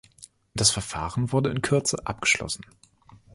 Das Verfahren wurde in Kürze abgeschlossen.